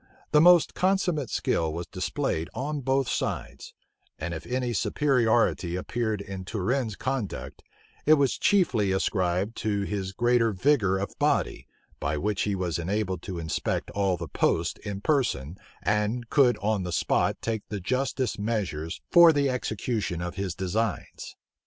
The most consummate skill was displayed on both sides; and if any superiority appeared in Turenne's conduct, it was chiefly ascribed to his greater vigor of body, by which he was enabled to inspect all the posts in person, and could on the spot take the justest measures for the execution of his designs.